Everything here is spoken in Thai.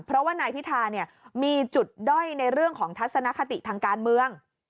เพราะว่านายพิธาเนี่ยมีจุดด้อยในเรื่องของทัศนคติทางการเมือง